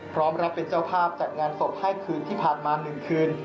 พร้อมรับเป็นเจ้าภาพจัดงานศพให้คืนที่ผ่านมา๑คืน